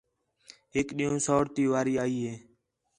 ہِک ݙِِین٘ہوں سَوڑ تی واری آئی ہِے